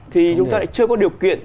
thì chúng ta lại chưa có điều kiện